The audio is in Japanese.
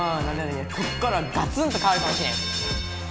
こっからガツンとかわるかもしれん。